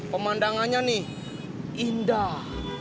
pemandangannya nih indah